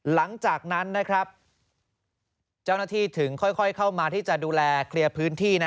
หลังจากนั้นเจ้าหน้าที่ถึงค่อยเข้ามาที่จะดูแลเคลียร์พื้นที่